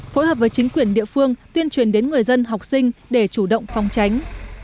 phối hợp với chính quyền địa phương tuyên truyền đến người dân học sinh để chủ động phòng tránh